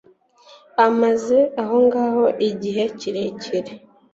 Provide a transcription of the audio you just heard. amaze ahongaho igihe kirekire